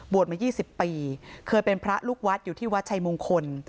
มา๒๐ปีเคยเป็นพระลูกวัดอยู่ที่วัดชัยมงคล